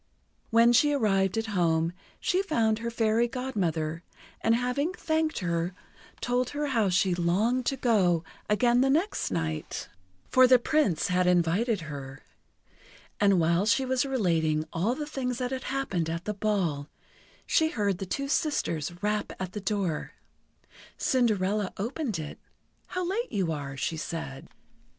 When she arrived at home, she found her Fairy Godmother, and having thanked her, told her how she longed to go again the next night, for the Prince had invited her. And while she was relating all the things that had happened at the ball, she heard the two sisters rap at the door. Cinderella opened it. "How late you are," she said.